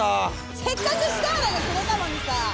せっかくシターラがくれたのにさ。